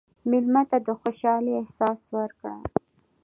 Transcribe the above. مېلمه ته د خوشحالۍ احساس ورکړه.